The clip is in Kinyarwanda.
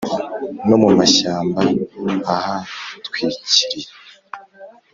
no mu mashyamba ahatwikiriye.